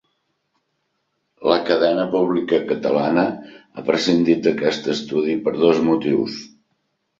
La cadena pública catalana ha prescindit d’aquest estudi per dos motius.